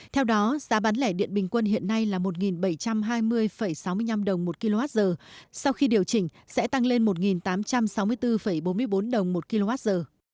theo đó giá bán lẻ điện bình quân hiện nay là một bảy trăm hai mươi sáu mươi năm đồng một kwh sau khi điều chỉnh sẽ tăng lên một tám trăm sáu mươi bốn bốn mươi bốn đồng một kwh